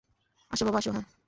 আসো, বাবা আসো - হ্যাঁঁ।